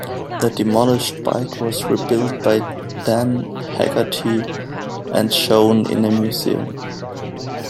The demolished bike was rebuilt by Dan Haggerty and shown in a museum.